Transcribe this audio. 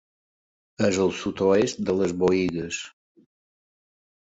És al sud-oest de les Boïgues.